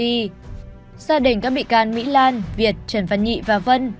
gia đình các bị can mỹ lan việt trần văn nhị và vân